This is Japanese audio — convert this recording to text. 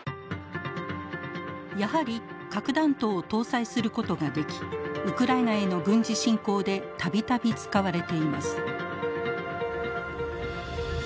やはり核弾頭を搭載することができウクライナへの軍事侵攻で度々使われています。